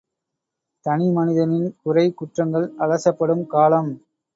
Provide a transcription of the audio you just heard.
தனி மனிதனின் குறை குற்றங்கள் அலசப்படும் காலம்!